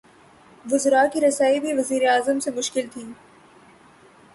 وزرا کی رسائی بھی وزیر اعظم سے مشکل تھی۔